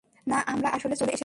না, আমরা আসলে চলে এসেছি।